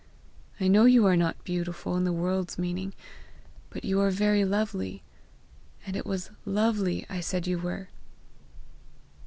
I know you are not beautiful in the world's meaning, but you are very lovely and it was lovely I said you were!"